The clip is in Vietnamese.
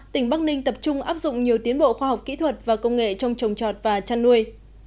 tỉnh bắc ninh tập trung áp dụng nhiều tiến bộ khoa học kỹ thuật và công nghệ trong trồng trọt và chăn nuôi